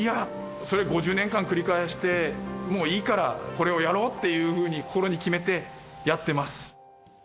それ５０年間繰り返してもいいから、これをやろうっていうふうに心に決めてやってます。